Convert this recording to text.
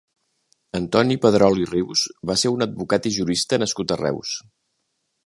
Antoni Pedrol i Rius va ser un advocat i jurista nascut a Reus.